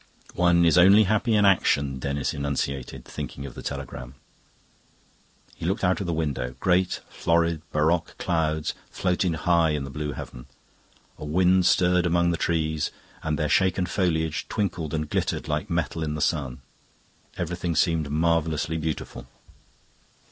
"One is only happy in action," Denis enunciated, thinking of the telegram. He looked out of the window. Great florid baroque clouds floated high in the blue heaven. A wind stirred among the trees, and their shaken foliage twinkled and glittered like metal in the sun. Everything seemed marvellously beautiful.